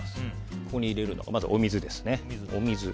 ここに入れるのがお水ですね。